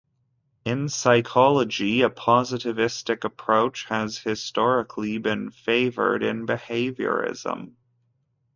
In psychology, a positivistic approach has historically been favoured in behaviourism.